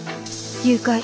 「誘拐」。